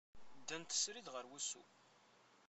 Ddant srid ɣer wusu.